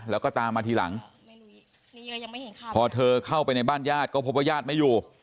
แล้วก็ตามมาทีหลังพอเธอเข้าไปในบ้านญาติก็พบว่าญาติไม่อยู่